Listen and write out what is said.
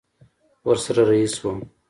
ورسره رهي سوم.